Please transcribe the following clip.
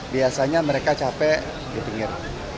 biasanya mereka capek di pinggir